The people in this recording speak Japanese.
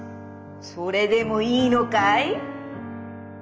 それでもいいのかい？」。